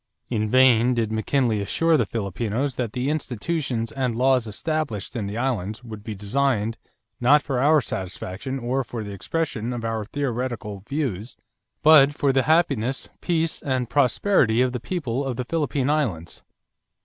In vain did McKinley assure the Filipinos that the institutions and laws established in the islands would be designed "not for our satisfaction or for the expression of our theoretical views, but for the happiness, peace, and prosperity of the people of the Philippine Islands."